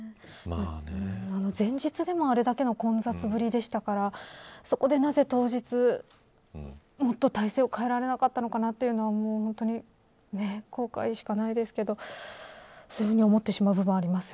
前日でもあれだけの混雑ぶりでしたからそこで、なぜ当日もっと体制を変えられなかったのかというのは後悔しかないですがそういうふうに思ってしまう